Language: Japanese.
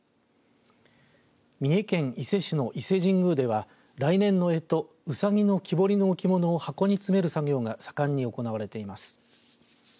三重県伊勢市の伊勢神宮では来年のえとうさぎの木彫りの置物を箱に詰める作業が盛んに行われています。